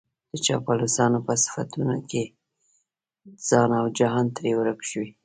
د چاپلوسانو په صفتونو کې ځان او جهان ترې ورک شوی.